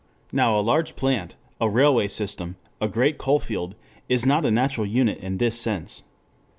Now a large plant, a railway system, a great coal field, is not a natural unit in this sense.